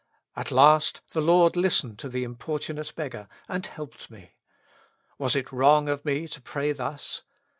At last the Lord listened to the importunate beggar, and helped me. Was it wrong of me to pray thus